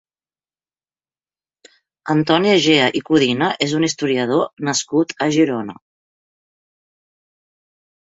Antoni Egea i Codina és un historiador nascut a Girona.